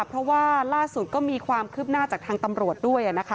เพราะว่าล่าสุดก็มีความคืบหน้าจากทางตำรวจด้วยนะคะ